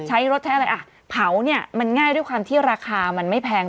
ใช้รถใช้อะไรอ่ะเผาเนี่ยมันง่ายด้วยความที่ราคามันไม่แพง